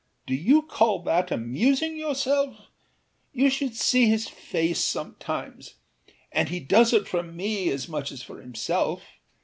Do you call that amusing yourself? You should see his face sometimes! And he does it for me as much as for himself.